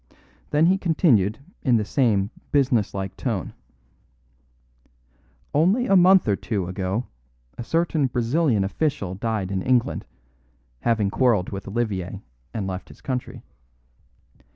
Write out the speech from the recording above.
Then he continued in the same business like tone: "Only a month or two ago a certain Brazilian official died in England, having quarrelled with Olivier and left his country.